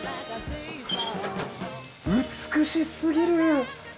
美しすぎる！